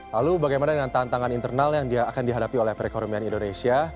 lalu bagaimana dengan tantangan internal yang akan dihadapi oleh perekonomian indonesia